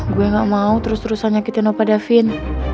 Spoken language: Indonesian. gue gak mau terus terusan nyakitin opa davin